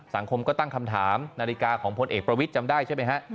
สังคมก็ตั้งคำถามนาฬิกาของพลเอกประวิทย์จำได้ใช่ไหมฮะ